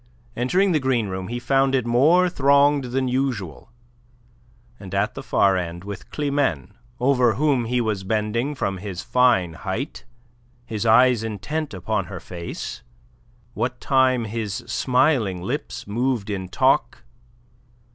Entering the green room he found it more thronged than usual, and at the far end with Climene, over whom he was bending from his fine height, his eyes intent upon her face, what time his smiling lips moved in talk, M.